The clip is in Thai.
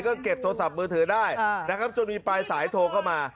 ก็เก็บโทรศัพท์มือถือได้นะครับจนมีปลายสายโทรเข้ามา